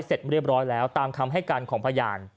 เสร็จเรียบร้อยแล้วตามคำให้การของพยาน